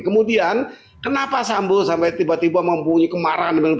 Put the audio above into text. kemudian kenapa sambo sampai tiba tiba mempunyai kemarahan